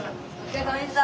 お疲れさまでした。